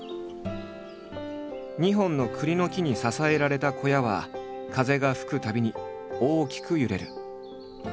２本の栗の木に支えられた小屋は風が吹くたびに大きく揺れる。